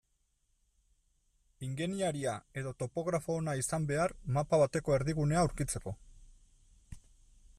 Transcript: Ingeniaria edo topografo ona izan behar mapa bateko erdigunea aurkitzeko.